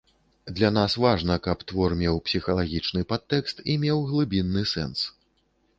Для нас важна, каб твор меў псіхалагічны падтэкст і меў глыбінны сэнс.